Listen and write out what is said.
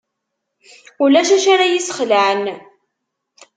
Ulac acu ara yi-sxelɛen.